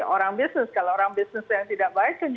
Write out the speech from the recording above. orang bisnis kalau orang bisnis yang tidak baik